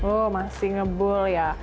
oh masih ngebul ya